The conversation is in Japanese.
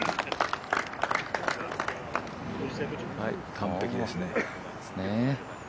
完璧ですね。